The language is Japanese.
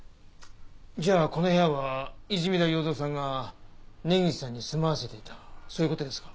じゃあこの部屋は泉田耀造さんが根岸さんに住まわせていたそういう事ですか？